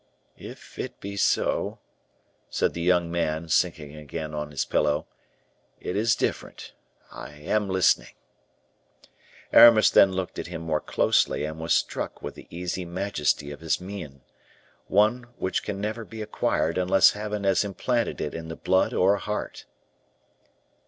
"If it be so," said the young man, sinking again on his pillow, "it is different; I am listening." Aramis then looked at him more closely, and was struck with the easy majesty of his mien, one which can never be acquired unless Heaven has implanted it in the blood or heart.